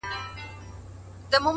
د بریا زینه له حوصلې جوړیږي،